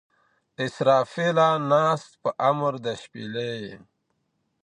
اسرافیله ناست په امر د شپېلۍ یې